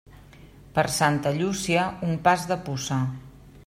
Per Santa Llúcia, un pas de puça.